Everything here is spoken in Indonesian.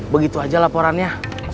begitu aja laporannya